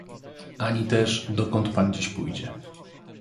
"Ani też, dokąd Pan dziś pójdzie."